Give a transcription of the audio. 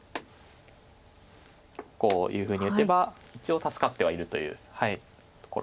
こういうふうに打てば一応助かってはいるというところです。